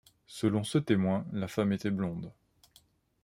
Selon ce témoin, la femme était blonde.